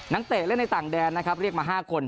เตะเล่นในต่างแดนนะครับเรียกมา๕คน